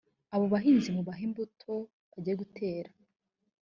abo bahinzi mubahe imbuto bajye gutera